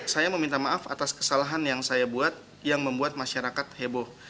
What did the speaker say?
saya meminta maaf atas kesalahan yang saya buat yang membuat masyarakat heboh